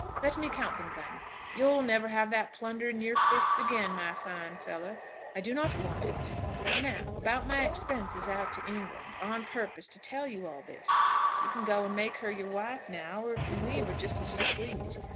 "Let me count them then." "You'll never have that plunder in your fists again, my fine fellow." "I do not want it." "And now about my expenses out to England, on purpose to tell you all this. You can go and make her your wife now, or can leave her, just as you please.